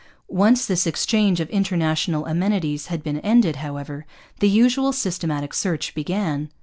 Once this exchange of international amenities had been ended, however, the usual systematic search began.